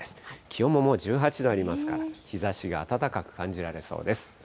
気温ももう１８度ありますから、日ざしが暖かく感じられそうです。